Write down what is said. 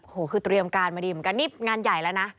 โอ้โหคือเตรียมการมาดีเหมือนกันนี่งานใหญ่แล้วนะ